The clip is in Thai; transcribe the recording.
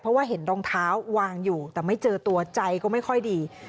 เพราะว่าเห็นรองเท้าวางอยู่แต่ไม่เจอตัวใจก็ไม่ค่อยดี